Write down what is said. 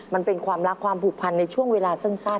มันเป็นความรักความผูกพันในช่วงเวลาสั้น